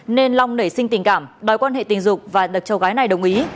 nên long nảy sinh tình cảm đòi quan hệ tình dục và được cháu gái này đồng ý